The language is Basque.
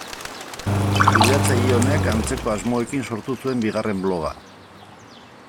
Kudeatzaile honek antzeko asmoekin sortu zuen bigarren bloga.